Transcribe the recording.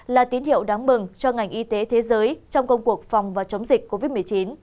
là tín hiệu đáng mừng cho ngành y tế thế giới trong công cuộc phòng và chống dịch covid một mươi chín